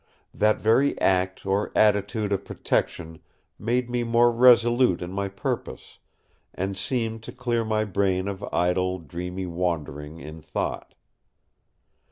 That very act or attitude of protection made me more resolute in my purpose, and seemed to clear my brain of idle, dreamy wandering in thought.